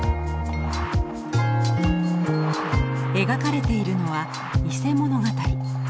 描かれているのは「伊勢物語」。